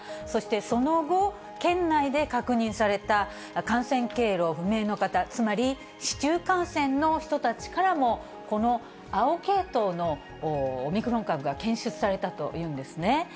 そしてその後、県内で確認された感染経路不明の方、つまり市中感染の人たちからも、この青系統のオミクロン株が検出されたというんですね。